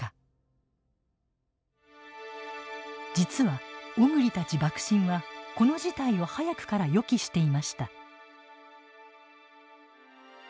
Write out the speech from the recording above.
実は小栗たち幕臣はこの事態を早くから予期していました。